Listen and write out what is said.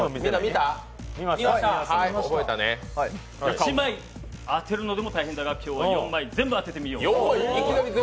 １枚当てるのでも大変だが今日は４枚全部当ててみよう。